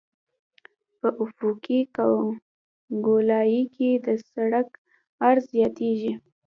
په افقي ګولایي کې د سرک عرض زیاتیږي